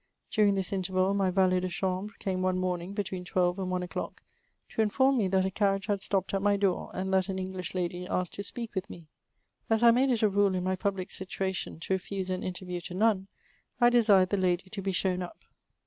During this interval my valet de chamhre came one morning, between twelve and one o'clock, to inform me that a carriage had stopped at my door, and that an English lady asked to speak with me. As I made it a rule in my public situation to refuse an interview to none, I desired the lady to be shown up.